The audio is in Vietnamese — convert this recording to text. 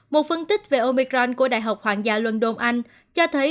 một phân tích về omicron của đại học hoàng gia london anh cho thấy